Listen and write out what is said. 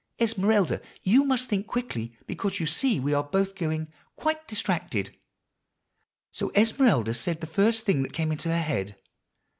'Esmeralda, you must think quickly, because you see we are both going quite distracted.' "So Esmeralda said the first thing that came into her head.